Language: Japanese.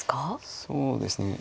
そうですね